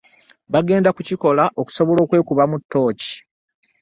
Bagenda kukikola okusobola okwekubamu ttooci.